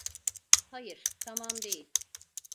Hayır, tamam değil.